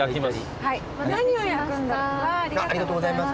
ありがとうございます。